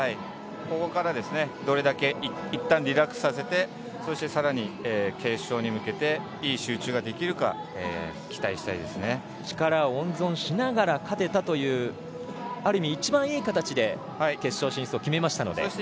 ここから、どれだけいったんリラックスさせてそして、さらに決勝に向けていい集中ができるか力を温存しながら勝てたというある意味一番いい形で決勝進出を決めましたので。